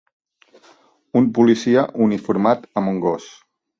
Un policia uniformat amb un gos.